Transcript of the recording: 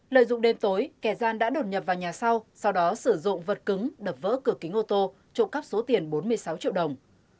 lợi dụng đêm tối kẻ gian đã đột nhập vào nhà sau sau đó sử dụng vật cứng đập vỡ cửa kính ô tô trộm cắp số tiền bốn mươi sáu triệu đồng